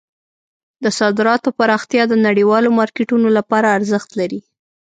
د صادراتو پراختیا د نړیوالو مارکیټونو لپاره ارزښت لري.